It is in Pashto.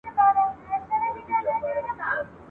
له ازله تر ابده په همدې رنځ مبتلا یو !.